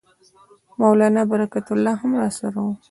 مولنا برکت الله هم راسره وو.